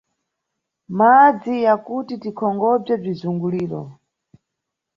Madzi ya kuti tikonkhobze bzizunguliro.